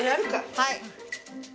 はい。